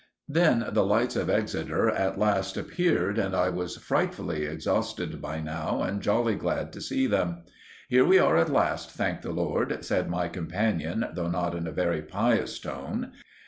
Then the lights of Exeter at last appeared and I was frightfully exhausted by now and jolly glad to see them. "Here we are at last, thank the Lord," said my companion, though not in a very pious tone.